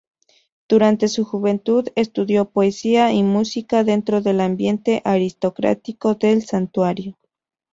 Durante su juventud estudió poesía y música dentro del ambiente aristocrático del santuario.